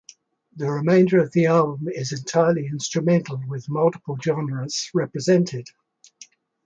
The remainder of the album is entirely instrumental with multiple genres represented.